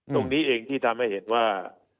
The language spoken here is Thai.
ตรงนี้เองที่ทำให้เห็นว่า